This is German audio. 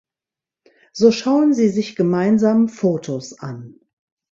So schauen sie sich gemeinsam Fotos an.